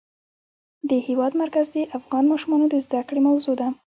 د هېواد مرکز د افغان ماشومانو د زده کړې موضوع ده.